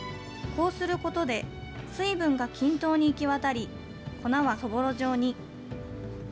こうすることで、水分が均等に行き渡り、粉はそぼろ状に。